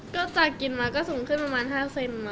ก็จากกินมาก็สูงขึ้นประมาณ๕เซน